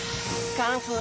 カンフー。